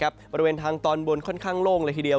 บริเวณทางตอนบนค่อนข้างโล่งเลยทีเดียว